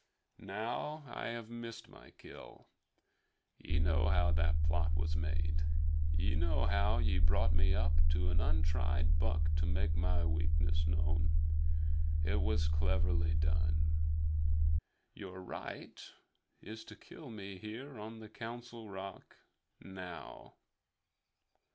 Now I have missed my kill. Ye know how that plot was made. Ye know how ye brought me up to an untried buck to make my weakness known. It was cleverly done. Your right is to kill me here on the Council Rock, now.